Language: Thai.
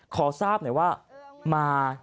ขอทราบหน่อยว่ามา